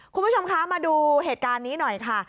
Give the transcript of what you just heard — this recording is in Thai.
คุณผู้ชมคะมาดูเหตุการณ์นี้หน่อยค่ะ